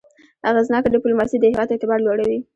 اغېزناکه ډيپلوماسي د هېواد اعتبار لوړوي.